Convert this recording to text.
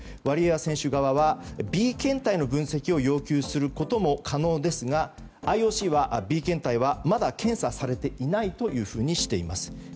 ワリエワ選手側はＢ検体の分析を要求することも可能ですがＩＯＣはＢ検体は、まだ検査されていないとしています。